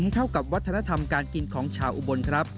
เข้ากับวัฒนธรรมการกินของชาวอุบลครับ